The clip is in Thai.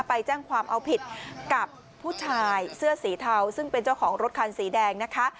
ไปแจ้งความเอาผิดกับผู้ชายเสื้อสีเทาซึ่งเป็นเจ้าของรถคันสีแดงนะคะ